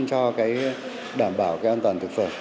cho đảm bảo an toàn thực phẩm